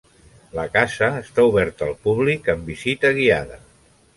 La casa està oberta al públic amb visita guiada.